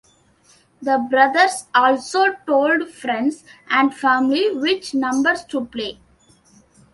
The brothers also told friends and family which numbers to play.